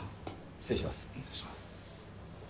失礼します。